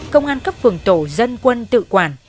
công an cấp phường tổ dân quân tự quản